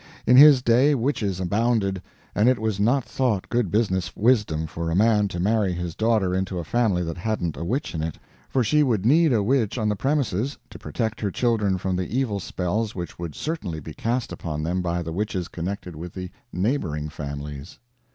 In his day witches abounded, and it was not thought good business wisdom for a man to marry his daughter into a family that hadn't a witch in it, for she would need a witch on the premises to protect her children from the evil spells which would certainly be cast upon them by the witches connected with the neighboring families.